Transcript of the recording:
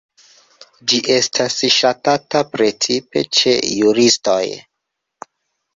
Ĝi estas ŝatata precipe ĉe juristoj.